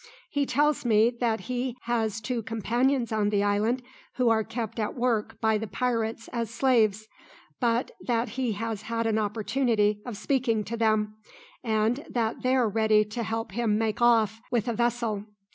He tells me that he has two companions on the island who are kept at work by the pirates as slaves; but that he has had an opportunity of speaking to them, and that they're ready to help him make off with a vessel.